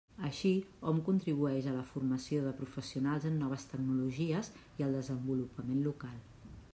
Així, hom contribueix a la formació de professionals en noves tecnologies i al desenvolupament local.